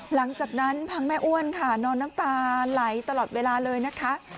หลังจากนั้นพังแม่อ้วนค่ะนอนน้ำตาไหลตลอดเวลาเลยนะคะ